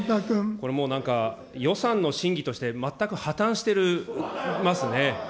これもうなんか、予算の審議として全く破綻してますね。